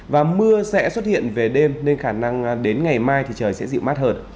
và mưa sẽ xuất hiện về đêm nên khả năng đến ngày mai thì trời sẽ dịu mát hơn